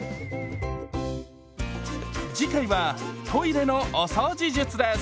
次回はトイレのお掃除術です。